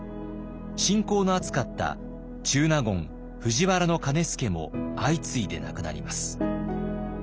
親交の厚かった中納言藤原兼輔も相次いで亡くなります。